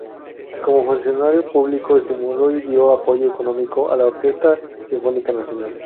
Como funcionario público, estimuló y dio apoyo económico a la Orquesta Sinfónica Nacional.